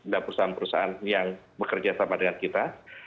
dan perusahaan perusahaan yang bekerja sama dengan kita